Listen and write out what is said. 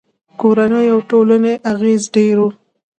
کورنیو او ټولنې اغېز ډېر و.